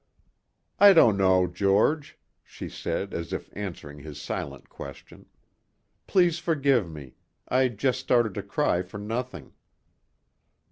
"I don't know, George," she said as if answering his silent question. "Please forgive me. I just started to cry for nothing."